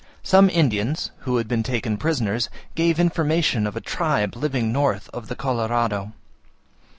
Some Indians, who had been taken prisoners, gave information of a tribe living north of the Colorado.